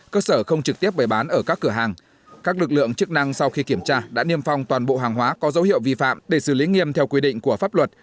cơ sở không trực tiếp bày bán ở các cửa hàng